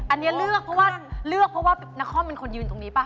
อันนี้เลือกเพราะว่านครมเป็นคนยืนตรงนี้ป่ะ